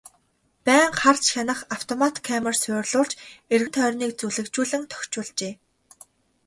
Байнга харж хянах автомат камер суурилуулж эргэн тойрныг зүлэгжүүлэн тохижуулжээ.